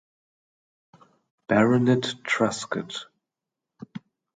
Baronet Truscott.